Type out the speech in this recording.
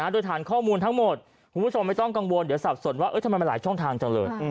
โดยฐานข้อมูลทั้งหมดคุณผู้ชมไม่ต้องกังวลเดี๋ยวสับสนว่าทำไมมันหลายช่องทางจังเลย